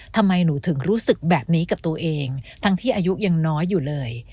ทำไมหนูถึงรู้สึกแบบนี้กับตัวเองทั้งที่อายุยังน้อยอยู่เลย